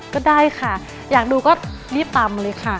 ก็ได้ค่ะอยากดูก็รีบตำเลยค่ะ